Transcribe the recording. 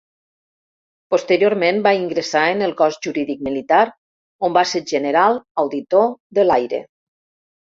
Posteriorment va ingressar en el Cos Jurídic Militar, on va ser General Auditor de l'Aire.